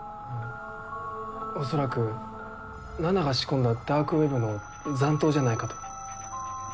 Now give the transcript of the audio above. おそらく奈々が仕込んだダークウェブの残党じゃないかと。